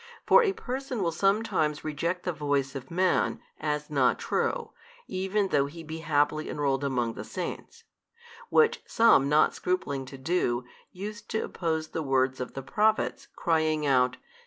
For a person will sometimes reject the voice of man, as not true, even though he be haply enrolled among the saints. Which some not scrupling to do, used to oppose the words of the Prophets, crying out.